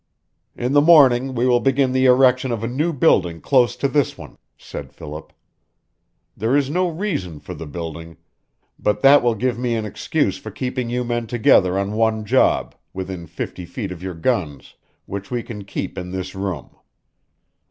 "In the morning we will begin the erection of a new building close to this one," said Philip. "There is no reason for the building, but that will give me an excuse for keeping you men together on one job, within fifty feet of your guns, which we can keep in this room.